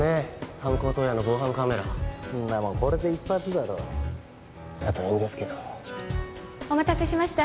犯行当夜の防犯カメラそんなもんこれで一発だろだといいんですけどお待たせしました